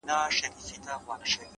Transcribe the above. خود نو په دغه يو سـفر كي جادو،